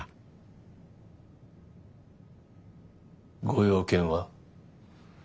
ご用件は？